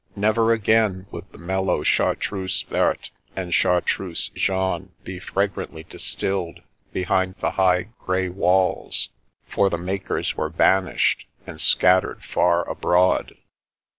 Never again would the mellow Chartreuse verte and Chartreuse jaune be fragrantly distilled behind the high grey walls, for the makers were banished and scattered far abroad.